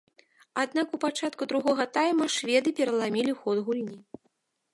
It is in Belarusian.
Аднак у пачатку другога тайма шведы пераламілі ход гульні.